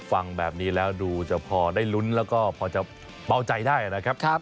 ฟังแบบนี้แล้วดูจะพอได้ลุ้นแล้วก็พอจะเบาใจได้นะครับ